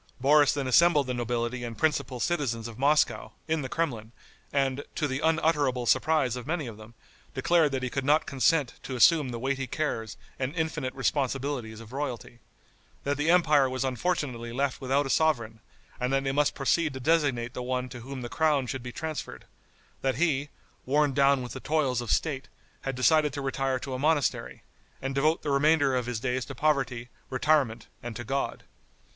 Boris then assembled the nobility and principal citizens of Moscow, in the Kremlin, and, to the unutterable surprise of many of them, declared that he could not consent to assume the weighty cares and infinite responsibilities of royalty; that the empire was unfortunately left without a sovereign, and that they must proceed to designate the one to whom the crown should be transferred; that he, worn down with the toils of State, had decided to retire to a monastery, and devote the remainder of his days to poverty, retirement and to God.